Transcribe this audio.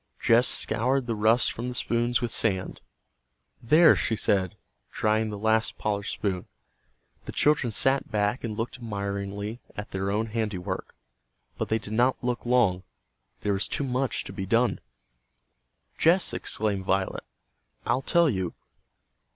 Jess scoured the rust from the spoons with sand. "There!" she said, drying the last polished spoon. The children sat back and looked admiringly at their own handiwork. But they did not look long. There was too much to be done. "Jess," exclaimed Violet, "I'll tell you!"